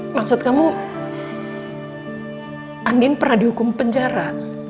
maksud kamu andin pernah dihukum penjara